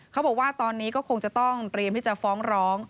เขาบอกว่าตอนนี้ก็คงจะต้องเตรียมที่จะฟ้องร้อง